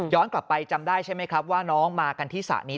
กลับไปจำได้ใช่ไหมครับว่าน้องมากันที่สระนี้